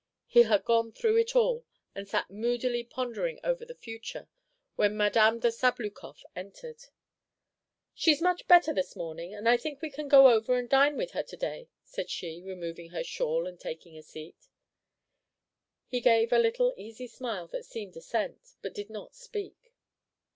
He had gone through it all, and sat moodily pondering over the future, when Madame de Sabloukoff entered. "She 's much better this morning, and I think we can go over and dine with her to day," said she, removing her shawl and taking a seat. He gave a little easy smile that seemed assent, but did not speak.